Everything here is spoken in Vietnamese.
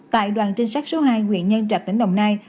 tại đoàn trinh sát số hai nguyện nhân trạch tỉnh đồng nai